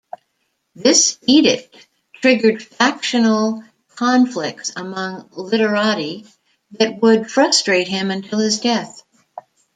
This edict triggered factional conflicts among literati that would frustrate him until his death.